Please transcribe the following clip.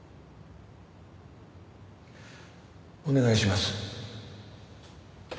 お願いします。